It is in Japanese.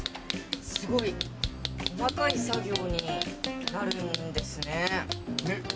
すごい細かい作業になるんですね。